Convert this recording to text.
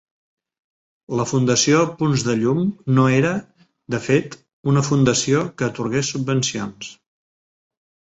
La fundació Punts de Llum no era, de fet, una fundació que atorgués subvencions.